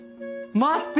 待って！